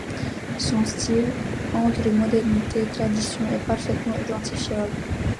Son style, entre modernité et tradition, est parfaitement identifiable.